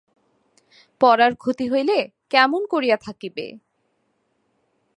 পড়ার ক্ষতি হইলে কেমন করিয়া থাকিবে।